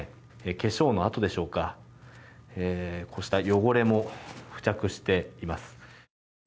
化粧の跡でしょうか、こうした汚れも付着しています。